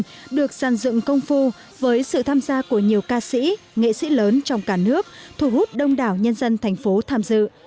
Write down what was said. hồ ngọc lân được sàn dựng công phu với sự tham gia của nhiều ca sĩ nghệ sĩ lớn trong cả nước thu hút đông đảo nhân dân thành phố tham dự